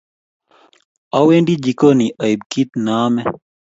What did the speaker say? awendi jikoni aib kit ne a ame